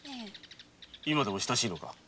今でも親しいのか？